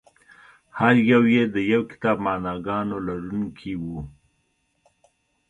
هر یو یې د یو کتاب معناګانې لرونکي وو.